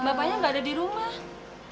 bapaknya nggak ada di rumah